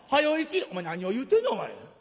「お前何を言うてんねんお前。